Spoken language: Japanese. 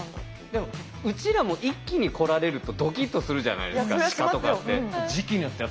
でもうちらも一気に来られるとドキッとするじゃないですか鹿とかって。